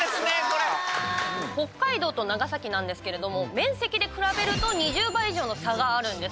北海道と長崎なんですけれども面積で比べると２０倍以上の差があるんです。